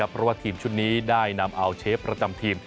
เพราะว่าทีมชุดนี้ได้นำเอาเชฟประจำทีม